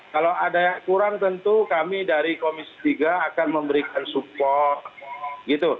kalau ada yang kurang tentu kami dari komisi tiga akan memberikan support gitu